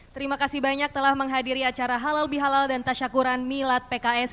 terima kasih banyak telah menghadiri acara halal bihalal dan tasyakuran milad pks